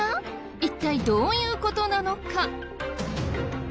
一体どういう事なのか？